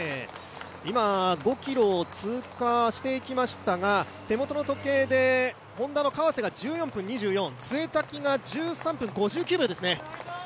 今５ｋｍを通過していきましたが、Ｈｏｎｄａの川瀬が１４分２４潰滝が１３分５９秒ですね。